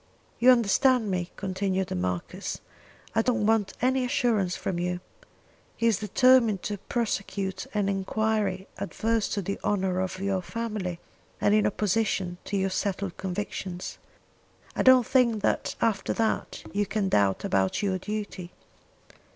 "You understand me," continued the Marquis, "I don't want any assurance from you. He is determined to prosecute an enquiry adverse to the honour of your family, and in opposition to your settled convictions. I don't think that after that you can doubt about your duty.